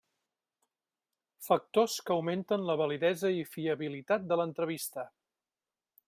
Factors que augmenten la validesa i fiabilitat de l'entrevista.